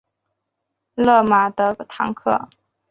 勒马德唐克。